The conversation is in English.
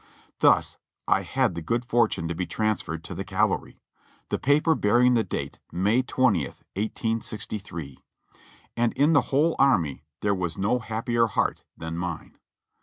Thus I had the good fortune to be transferred to the cavalry, the paper bearing the date May 20th, 1863; and in the whole army there was no happier heart than mine.